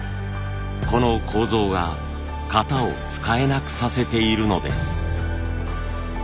この構造が型を使えなくさせているのです。